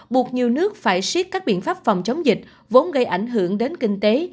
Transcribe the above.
buộc nhiều nước phải siết các biện pháp phòng chống dịch vốn gây ảnh hưởng đến kinh tế